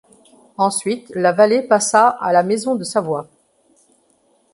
Ensuite la vallée passa à la Maison de Savoie.